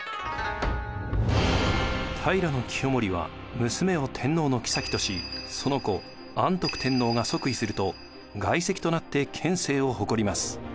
平清盛は娘を天皇のきさきとしその子安徳天皇が即位すると外戚となって権勢を誇ります。